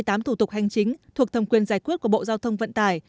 năm mươi tám thủ tục hành chính thuộc thầm quyền giải quyết của bộ giao thông vận tải